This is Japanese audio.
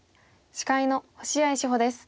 司会の星合志保です。